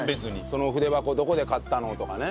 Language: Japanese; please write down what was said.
その筆箱どこで買ったの？とかね。